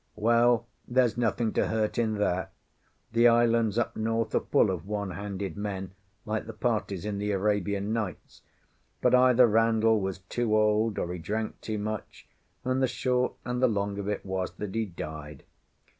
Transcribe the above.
Well, there's nothing to hurt in that; the islands up north are all full of one handed men, like the parties in the "Arabian Nights"; but either Randall was too old, or he drank too much, and the short and the long of it was that he died.